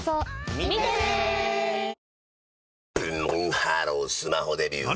ブンブンハロースマホデビュー！